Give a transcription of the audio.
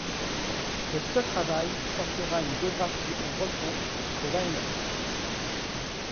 De ce travail sortira une biographie en breton de Laennec.